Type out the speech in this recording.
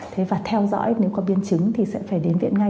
thế và theo dõi nếu có biến chứng thì sẽ phải đến viện ngay